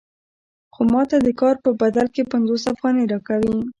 خو ماته د کار په بدل کې پنځوس افغانۍ راکوي